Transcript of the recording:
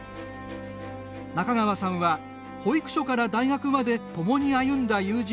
中川さんは保育所から大学までともに歩んだ友人